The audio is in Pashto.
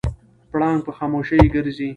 پړانګ په خاموشۍ ګرځي.